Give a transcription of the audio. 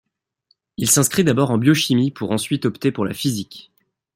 Il s'inscrit d'abord en biochimie, pour ensuite opter pour la physique.